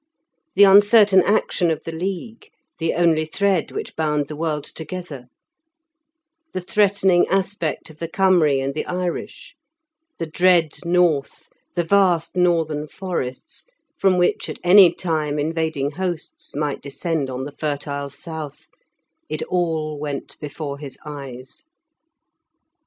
The uncertain action of the League, the only thread which bound the world together; the threatening aspect of the Cymry and the Irish; the dread north, the vast northern forests, from which at any time invading hosts might descend on the fertile south it all went before his eyes.